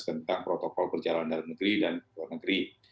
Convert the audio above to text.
tentang protokol perjalanan dalam negeri